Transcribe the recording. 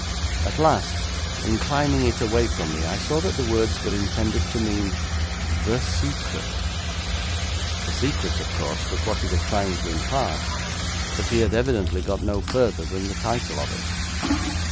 At last, inclining it away from me, I saw that the words were intended to mean, 'The Secret'. The secret, of course, was what he was trying to impart, but he had apparently got no further than the title of it.